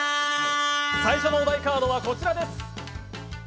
最初のお題カードはこちらです。